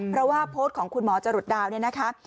เพราะว่าโพสต์ของคุณหมอจรุดดาวเนี่ยนะคะ